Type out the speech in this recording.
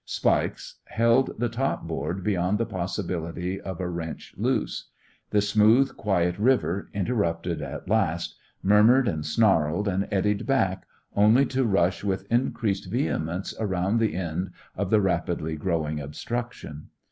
Spikes held the top board beyond the possibility of a wrench loose. The smooth, quiet river, interrupted at last, murmured and snarled and eddied back, only to rush with increased vehemence around the end of the rapidly growing obstruction.